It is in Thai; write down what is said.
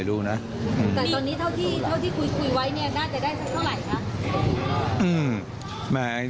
แต่ตอนนี้เท่าที่คนที่คุยนะน่าจะได้เหลือเท่าไหร่ครับ